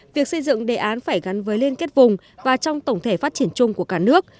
việc xây dựng đề án phải gắn với liên kết vùng và trong tổng thể phát triển chung của cả nước